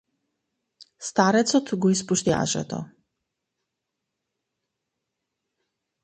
Старецот го испушти јажето.